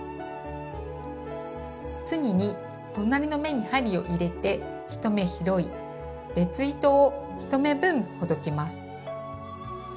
次に隣の目に針を入れて１目拾い別糸を１目分ほどきます。